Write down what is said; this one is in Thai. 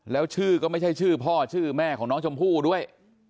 แล้วชื่อก็ไม่ใช่ชื่อพ่อชื่อแม่ของน้องชมพู่ด้วย